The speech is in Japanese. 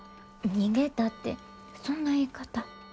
逃げたってそんな言い方。